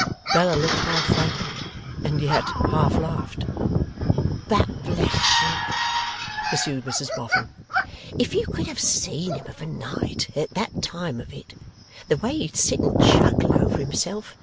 Bella looked half frightened, and yet half laughed. 'But, bless you,' pursued Mrs Boffin, 'if you could have seen him of a night, at that time of it! The way he'd sit and chuckle over himself!